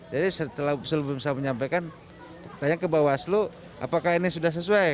jadi setelah selu belum bisa menyampaikan tanya kebawah selu apakah ini sudah sesuai